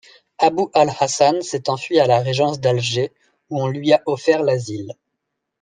Abu al-Hasan s'est enfui à la régence d'Alger, où on lui a offert l'asile.